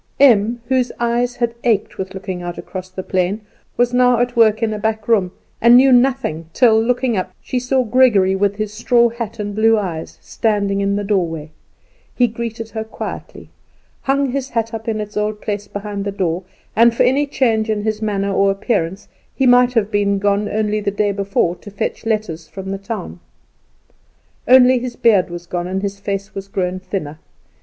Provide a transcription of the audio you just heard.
Em, whose eyes had ached with looking out across the plain, was now at work in a back room, and knew nothing till, looking up, she saw Gregory, with his straw hat and blue eyes, standing in the doorway. He greeted her quietly, hung his hat up in its old place behind the door, and for any change in his manner or appearance he might have been gone only the day before to fetch letters from the town. Only his beard was gone, and his face was grown thinner.